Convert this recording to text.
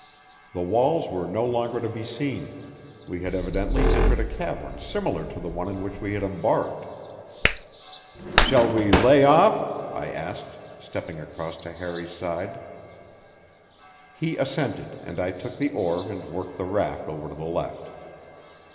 The walls were no longer to be seen; we had evidently entered a cavern similar to the one in which we had embarked. "Shall we lay off?" I asked, stepping across to Harry's side. He assented, and I took the oar and worked the raft over to the left.